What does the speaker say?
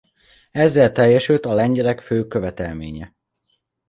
Ezzel teljesült a lengyelek fő követelménye.